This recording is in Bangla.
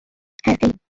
হ্যাঁ, হেই।